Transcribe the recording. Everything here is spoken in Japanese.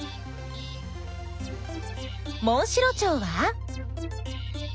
モンシロチョウは？